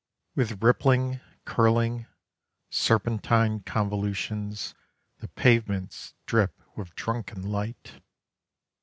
With rippling, curling, Serpentine convolutions The pavements drip with drunken light.